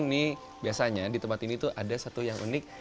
ini biasanya di tempat ini tuh ada satu yang unik